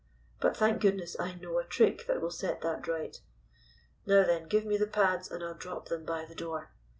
But thank goodness, I know a trick that will set that right. Now then, give me the pads and I'll drop them by the door.